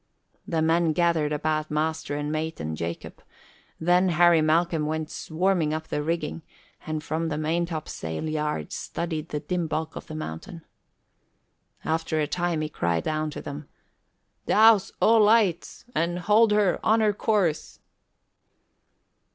The men gathered about master and mate and Jacob, then Harry Malcolm went swarming up the rigging and from the maintopsail yard studied the dim bulk of the mountain. After a time he cried down to them, "Douse all lights and hold her on her course!"